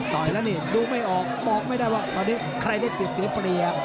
ต่อยแล้วนี่ดูไม่ออกบอกไม่ได้ว่าตอนนี้ใครได้เปรียบเสียเปรียบ